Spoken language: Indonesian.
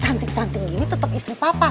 wah cantik cantik gini tetep istri papa